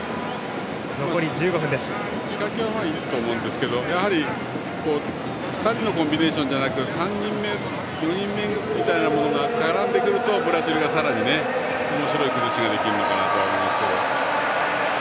仕掛けはいいと思うんですけどやはり、２人のコンビネーションじゃなくて３人目４人目が絡んでくると、ブラジルがさらにおもしろい崩しができるのかなと思いますけど。